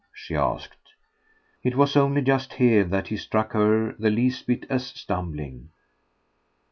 she asked. It was only just here that he struck her the least bit as stumbling.